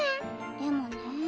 でもねぇ。